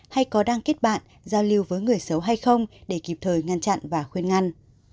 hay có đăng kết bạn giao lưu với người xấu hay không để kịp thời ngăn chặn và khuyên ngăn